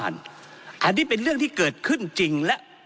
อันนี้เป็นเรื่องที่เกิดขึ้นจริงและ